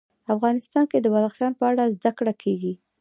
افغانستان کې د بدخشان په اړه زده کړه کېږي.